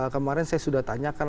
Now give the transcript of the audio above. kemarin saya sudah tanyakan